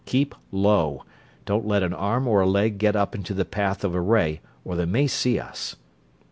Keep low don't let an arm or a leg get up into the path of a ray or they may see us."